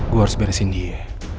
gua harus beresin dia